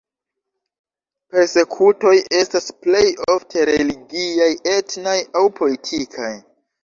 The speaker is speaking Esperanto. Persekutoj estas plej ofte religiaj, etnaj aŭ politikaj.